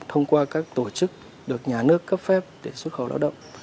thông qua các tổ chức được nhà nước cấp phép để xuất khẩu lao động